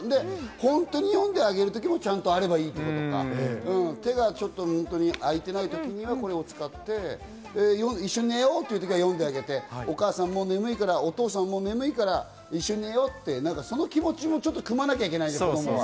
本当に読んであげる時がちゃんとあればいいというのか、手が空いていない時にはこれを使って、一緒に寝ようという時は読んであげて、お母さん眠いから、お父さん眠いから一緒に寝ようって、その気持ちもくまなきゃいけないと。